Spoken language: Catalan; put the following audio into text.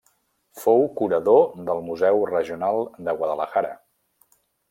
Fou curador del Museu Regional de Guadalajara.